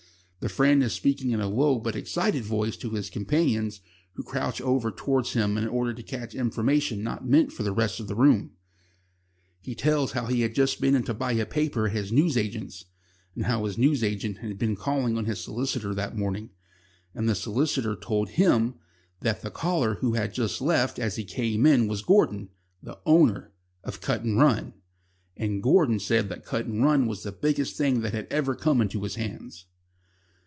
The friend is speaking in a low but excited voice to his companions, who crouch over towards him in order to catch information not meant for the rest of the room. He tells how he had just been in to buy a paper at his newsagent's, and how his newsagent had been calling on his solicitor that morning, and the solicitor told him that the caller who had just left as he came in was Gordon, the owner of Cutandrun, and Gordon said that Cutandrun was the biggest thing that had ever come into his hands.